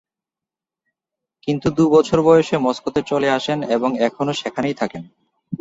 কিন্তু দু'বছর বয়সে মস্কোতে চলে আসেন এবং এখনো সেখানেই থাকেন।